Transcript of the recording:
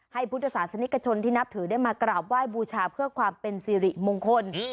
พุทธศาสนิกชนที่นับถือได้มากราบไหว้บูชาเพื่อความเป็นสิริมงคล